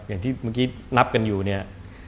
อย่างที่เมื่อกี้นับกันอยู่เนี่ย